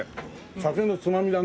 酒のつまみだね。